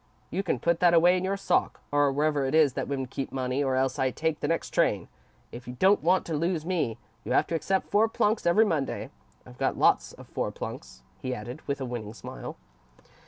You can put that away in your sock, or wherever it is that women keep money, or else I take the next train. If you don't want to lose me, you have to accept four plunks every Monday. I've got lots of four plunks," he added, with a winning smile.